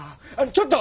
ちょっと！